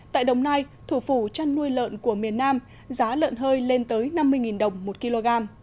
tại đồng nai thủ phủ chăn nuôi lợn của miền nam giá lợn hơi lên tới năm mươi đồng một kg